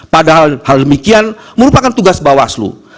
padahal hal demikian merupakan tugas bawaslu